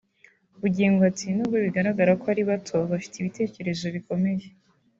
Bugingo ati “Nubwo bigaragara ko ari bato bafite ibitekerezo bikomeye